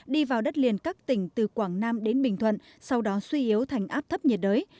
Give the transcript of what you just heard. đi vào đất liền các tỉnh từ quảng nam đến bình thuận sau đó suy yếu thành áp thấp nhiệt đới